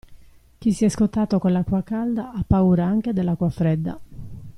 Chi si è scottato con l'acqua calda ha paura anche dell'acqua fredda.